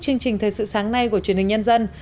chương trình thời sự sáng nay của truyền hình nhân dân